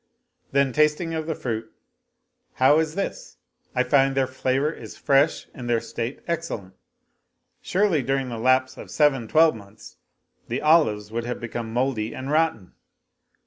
Then tasting of the fruit, " How is this? I find'their flavor is fresh and their state excellent. Surely during the lapse of seven twelve months the olives would have become moldy and rotten.